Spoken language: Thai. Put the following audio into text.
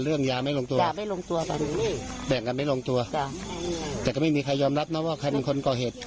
แบ่งกันไม่ลงตัวแต่ก็ไม่มีใครยอมรับนะว่าใครเป็นคนก่อเหตุ